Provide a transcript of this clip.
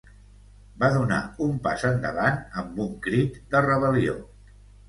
Va donar un pas endavant amb un crit de rebel·lió.